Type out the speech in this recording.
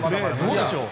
どうでしょう？